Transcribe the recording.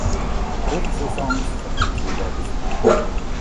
Hochsaison ist von Oktober bis Mai.